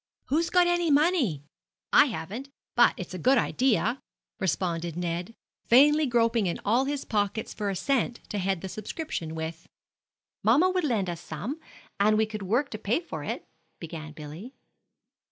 "Who's got any money? I haven't; but it's a good idea," responded Ned, vainly groping in all his pockets for a cent to head the subscription with. "Mamma would lend us some, and we could work to pay for it," began Billy.